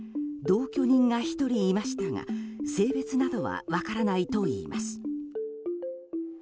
同居人が１人いましたが性別などは分からないといいます。